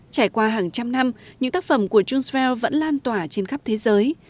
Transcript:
trải qua hàng trăm năm những tác phẩm của jules verne vẫn lan tỏa trên khắp thế giới